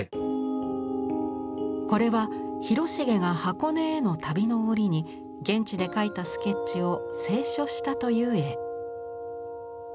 これは広重が箱根への旅の折に現地で描いたスケッチを清書したという絵。